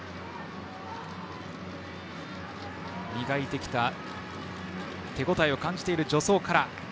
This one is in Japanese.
磨いてきた手応えを感じている助走から。